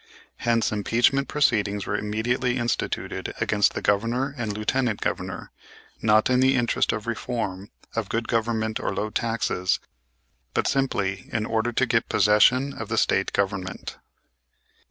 Hence, impeachment proceedings were immediately instituted against the Governor and Lieutenant Governor, not in the interest of reform, of good government or of low taxes, but simply in order to get possession of the State Government.